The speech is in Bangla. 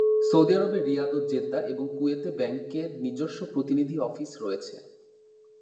সৌদি আরবের রিয়াদ ও জেদ্দা এবং কুয়েত এ ব্যাংকের নিজস্ব প্রতিনিধি অফিস রয়েছে।